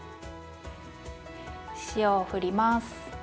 塩をふります。